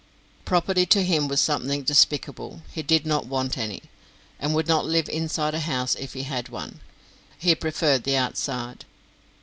Property to him was something despicable; he did not want any, and would not live inside of a house if he had one; he preferred the outside.